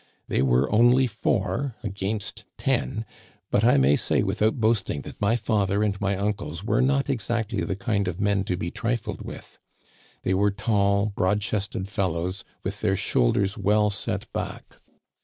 They were only four against ten ; but I may say without boasting that my father and my uncles were not exactly the kind of men to be trifled with. They were tall, broad chested fellows, with their shoul ders well set back.